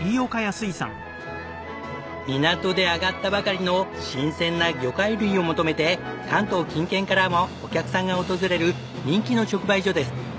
港で揚がったばかりの新鮮な魚介類を求めて関東近県からもお客さんが訪れる人気の直売所です。